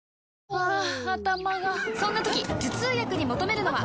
ハァ頭がそんな時頭痛薬に求めるのは？